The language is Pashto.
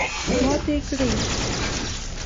ماتې کړې.